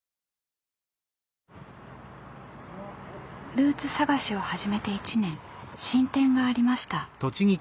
ルーツ探しを始めて１年進展がありました。